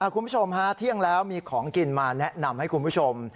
คุณผู้ชมฮะเที่ยงแล้วมีของกินมาแนะนำให้คุณผู้ชม